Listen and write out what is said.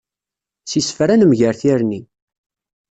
S yisefra nemger tirni.